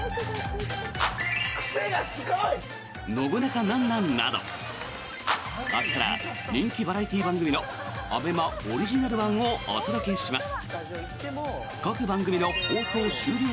癖がすごい！「ノブナカなんなん？」など明日から人気バラエティー番組のＡＢＥＭＡオリジナル版をお届けします！